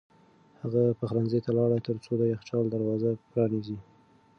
هغه پخلنځي ته لاړ ترڅو د یخچال دروازه پرانیزي.